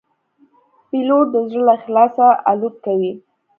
پیلوټ د زړه له اخلاصه الوت کوي.